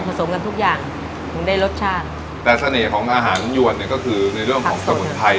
สมกันทุกอย่างคงได้รสชาติแต่เสน่ห์ของอาหารยวนเนี่ยก็คือในเรื่องของสมุนไพร